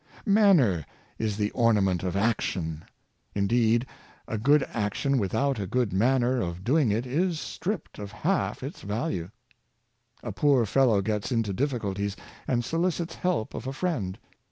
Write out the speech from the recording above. Manner is the ornament of action; indeed, a good action without a good manner of doing it is stripped of half its value. A poor fellow gets into difficulties, and solicits help of a friend.